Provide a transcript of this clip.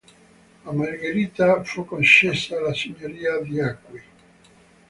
A Margherita fu concessa la signoria di Acqui.